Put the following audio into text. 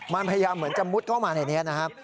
มันพยายามเหมือนจะมุดเข้ามาในนี้นะครับ